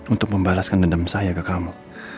untuk membalaskan dendam saya ke kamu